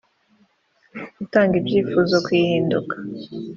gutanga ibyifuzo ku ihinduka